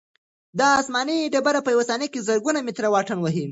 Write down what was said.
دا آسماني ډبره په یوه ثانیه کې زرګونه متره واټن وهي.